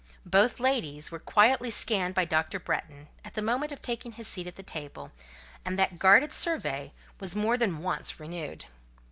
Both ladies were quietly scanned by Dr. Bretton, at the moment of taking his seat at the table; and that guarded survey was more than once renewed.